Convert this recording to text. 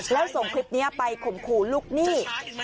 แล้วส่งคลิปนี้ไปข่มขู่ลูกหนี้